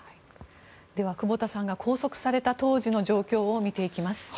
では、久保田さんが拘束された当時の状況を見ていきます。